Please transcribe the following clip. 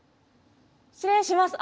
失礼します。